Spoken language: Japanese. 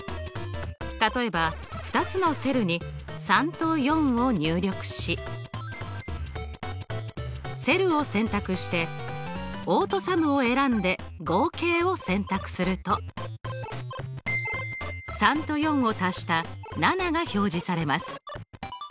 例えば２つのセルに３と４を入力しセルを選択してオートＳＵＭを選んで合計を選択すると３と４を足した７が表示されます。